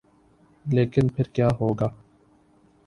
لیکن پھر کیا ہو گا؟